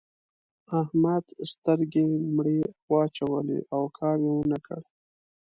احمد سترګې مړې واچولې؛ او کار يې و نه کړ.